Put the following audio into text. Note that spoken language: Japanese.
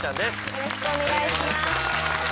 よろしくお願いします。